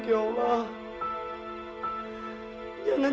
ya allah apa kamu buat